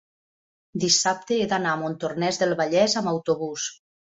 dissabte he d'anar a Montornès del Vallès amb autobús.